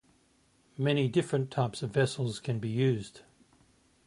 Many different types of vessels can be used.